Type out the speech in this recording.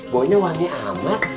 baunya wangi amat